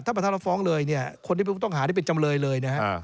ถ้าประทับรับฟ้องเลยเนี่ยคนที่ไปต้องหาได้เป็นจำเลยเลยนะครับ